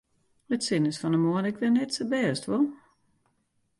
It sin is fan 'e moarn ek wer net sa bêst, wol?